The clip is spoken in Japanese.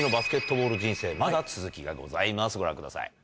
まだ続きがございますご覧ください。